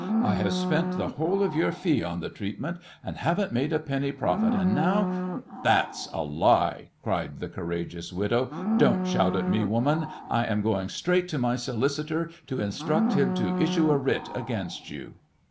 I have spent the whole of your fee on the treatment and haven't made a penny profit, and now " "That's a lie," cried the courageous widow. "Don't shout at me, woman. I am going straight to my solicitor to instruct him to issue a writ against you."